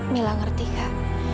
mila ngerti kak